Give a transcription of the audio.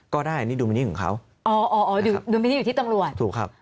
ก็ได้นี่ดูมินิของเขาอ๋ออ๋ออ๋อดูมินิอยู่ที่ตำรวจถูกครับ